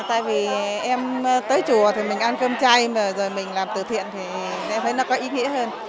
tại vì em tới chùa thì mình ăn cơm chay mà rồi mình làm từ thiện thì em thấy nó có ý nghĩa hơn